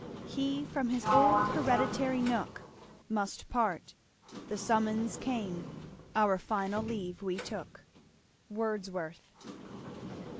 He from his old hereditary nook Must part; the summons came, our final leave we took. Wordsworth.